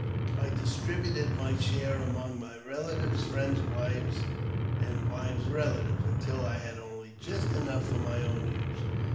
I distributed my share among my relatives, friends, wives, and wives' relatives, until I had only just enough for my own use.